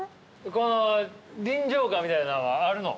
この臨場感みたいなんはあるの？